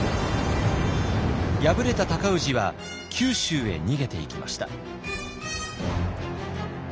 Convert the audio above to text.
敗れた尊氏は九州へ逃げていきました。